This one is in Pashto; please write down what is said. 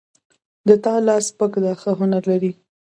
د تا لاس سپک ده ښه هنر لري